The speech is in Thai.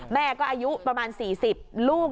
แม่ก็อายุประมาณ๔๐ลูก